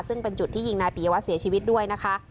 ซึ่งเป็นจุดที่ยิงนายปียวัตรเสียชีวิตด้วยนะคะ